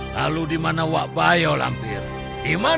tapi dia bukan orang sembarangan